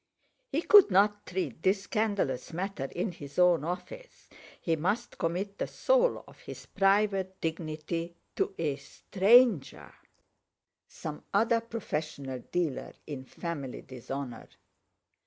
He could not treat this scandalous matter in his own office. He must commit the soul of his private dignity to a stranger, some other professional dealer in family dishonour.